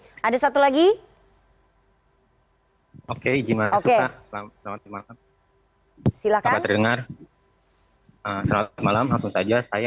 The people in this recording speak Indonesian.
oke ada satu lagi oke jika oke selamat malam silakan terdengar selamat malam langsung saja saya